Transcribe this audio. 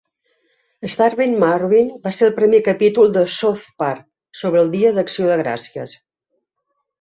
"Starvin' Marvin" va ser el primer capítol de "South Park" sobre el dia d'Acció de Gràcies.